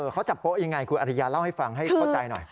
เขาจับโป๊ะยังไงคุณอริยาเล่าให้ฟังให้เข้าใจหน่อย